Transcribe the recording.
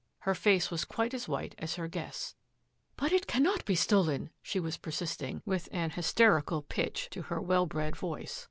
Her face was quite as white as her guest's. " But it cannot be stolen,'' she was persisting, with a hysterical pitch to her well bred voice.